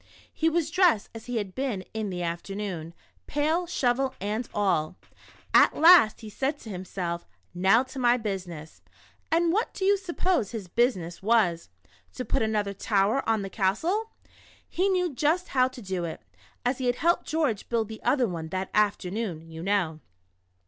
He was dressed as he had been in the afternoon, pail, shovel, and all. At last, he said to himself. " Now to my busi ness." And what do you suppose his "business" was ? To put another tower on the castle ! He knew just how to do it. as he had helped George build the other one that afternoon, you know.